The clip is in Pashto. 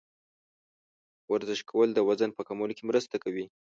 ورزش کول د وزن په کمولو کې مرسته کوي.